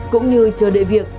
cũng như chờ đợi việc